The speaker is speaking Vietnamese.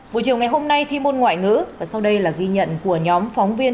buổi chiều ngày hôm nay thi môn ngoại ngữ và sau đây là ghi nhận của nhóm phóng viên